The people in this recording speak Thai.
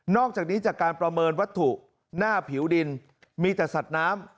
อกจากนี้จากการประเมินวัตถุหน้าผิวดินมีแต่สัตว์น้ำ